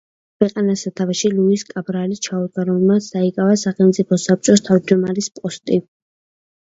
ქვეყანას სათავეში ლუის კაბრალი ჩაუდგა, რომელმაც დაიკავა სახელმწიფო საბჭოს თავმჯდომარის პოსტი.